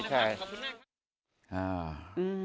ใช่